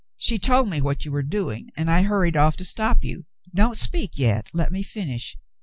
She told me what you were doing, and I hurried off to stop you. Don't speak yet, let me finish.